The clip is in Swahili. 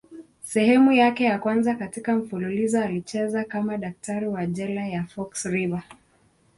Sehemu yake ya kwanza katika mfululizo alicheza kama daktari wa jela ya Fox River.